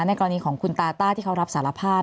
กรณีของคุณตาต้าที่เขารับสารภาพ